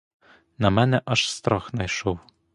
На мене аж страх найшов.